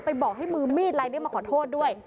ไปบอกให้มือมีดอะไรด้วยมาขอโทษด้วย